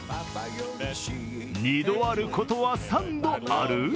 ２度あることは３度ある！？